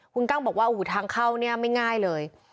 คุณกั้งบอกว่าทางเข้าไม่ง่ายเลย